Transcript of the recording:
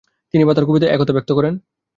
তিনি তার কবিতায় একথা ব্যক্ত করেনঃ